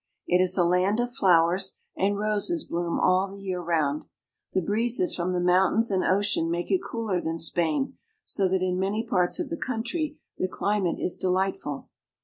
It is a land of flowers, and roses bloom all the year round. The breezes from the mountains and ocean make it cooler than Spain, so that in many parts of the country the climate is delightful.